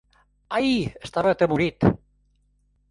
Ai, estava atemorit!